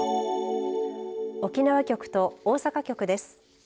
沖縄局と大阪局です。